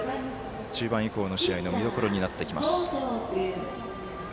中盤以降の試合の見どころになってきます。